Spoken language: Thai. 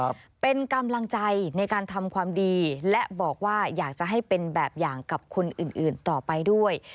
ครับเป็นกำลังใจในการทำความดีและบอกว่าอยากจะให้เป็นแบบอย่างกับคนอื่นอื่นต่อไปด้วย